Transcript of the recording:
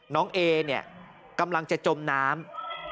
เอเนี่ยกำลังจะจมน้ำ